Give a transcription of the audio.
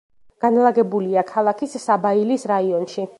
განლაგებულია ქალაქის საბაილის რაიონში.